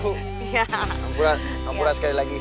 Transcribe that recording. hampura sekali lagi